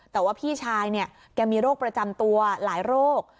แต่ว่าพี่ชายเนี่ยแกมีโรคประจำตัวหลายโรค